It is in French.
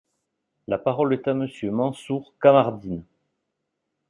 La parole est à Monsieur Mansour Kamardine.